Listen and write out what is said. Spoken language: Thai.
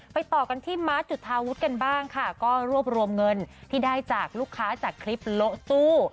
ต่อกันที่มาร์ทจุธาวุฒิกันบ้างค่ะก็รวบรวมเงินที่ได้จากลูกค้าจากคลิปโละตู้